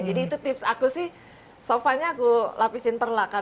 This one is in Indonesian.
jadi itu tips aku sih sofanya aku lapisin perlak